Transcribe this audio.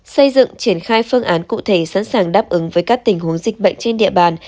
xây dựng triển khai phương án cụ thể sẵn sàng đáp ứng với các tình huống dịch bệnh trên địa bàn